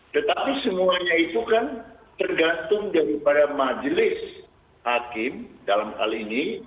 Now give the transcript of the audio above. tetapi semuanya itu kan tergantung daripada majelis hakim dalam hal ini